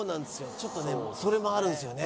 ちょっとそれもあるんですよね